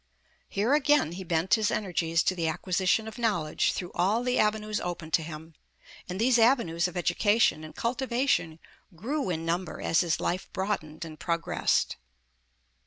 Here again he bent his energies to the acquisition of knowl edge through all the avenues open to him, and these ave nues of education and cultivation grew in number as his life broadened and progressed.